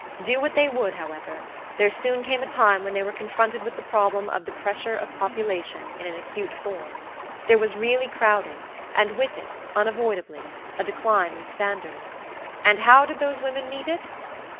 Do what they would, however, there soon came a time when they were confronted with the problem of "the pressure of population" in an acute form. There was really crowding, and with it, unavoidably, a decline in standards. And how did those women meet it?